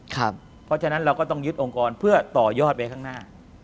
เพราะฉะนั้นเราก็ต้องยึดองค์กรเพื่อต่อยอดไปข้างหน้า